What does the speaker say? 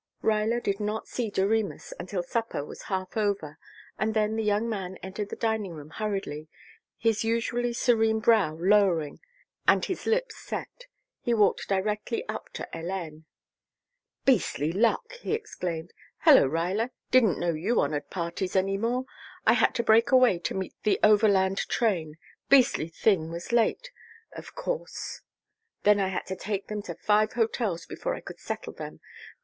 Ruyler did not see Doremus until supper was half over and then the young man entered the dining room hurriedly, his usually serene brow lowering and his lips set. He walked directly up to Hélène. "Beastly luck!" he exclaimed. "Hello, Ruyler. Didn't know you honored parties any more. I had to break away to meet the Overland train beastly thing was late, of course. Then I had to take them to five hotels before I could settle them.